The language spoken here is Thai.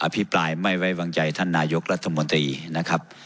พิปรายไม่ไว้วางใจท่านนายกรัฐมนตรีนะครับ